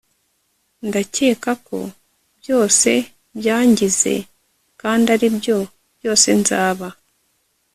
ndakeka ko byose byangize kandi aribyo byose nzaba